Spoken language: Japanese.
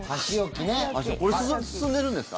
これ、進めるんですか？